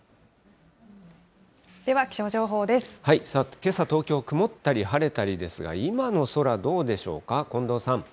けさ、東京、曇ったり晴れたりですが、今の空、どうでしょうか。